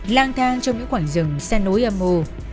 lang thang trong những quả rừng xe nối âm mồ